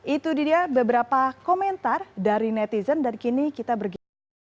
itu dia beberapa komentar dari netizen dan kini kita bergeser